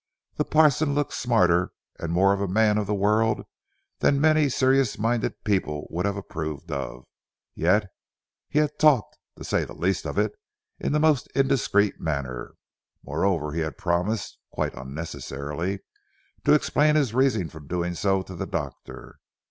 The parson looked smarter and more of a man of the world than many serious minded people would have approved of. Yet he had talked, to say the least of it, in a most indiscreet manner. Moreover he had promised (quite unnecessarily) to explain his reason for doing so to the doctor.